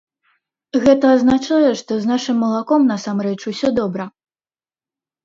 Гэта азначае, што з нашым малаком, насамрэч, усё добра.